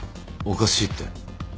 おかしいって？